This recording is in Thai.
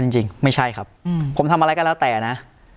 จริงไม่ใช่ครับผมทำอะไรก็แล้วแต่นะ